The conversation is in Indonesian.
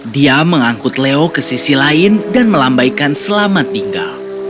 dia mengangkut leo ke sisi lain dan melambaikan selamat tinggal